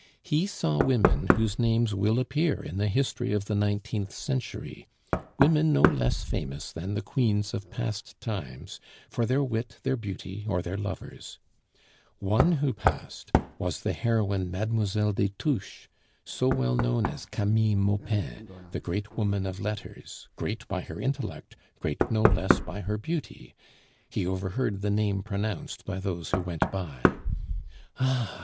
He saw women whose names will appear in the history of the nineteenth century, women no less famous than the queens of past times for their wit, their beauty, or their lovers; one who passed was the heroine Mlle. des Touches, so well known as Camille Maupin, the great woman of letters, great by her intellect, great no less by her beauty. He overheard the name pronounced by those who went by. "Ah!"